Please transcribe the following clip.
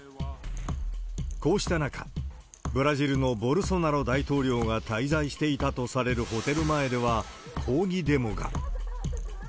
こうした中、ブラジルのボルソナロ大統領が滞在していたとされるホテル前では抗議デモが。